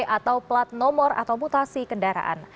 atau plat nomor atau mutasi kendaraan